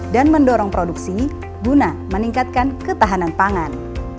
dan mendorong produksi guna meningkatkan ketahanan pangan